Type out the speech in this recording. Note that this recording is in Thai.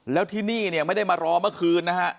แล้วที่นี่เนี่ยไม่ได้มารอเมื่อคืนนะฮะ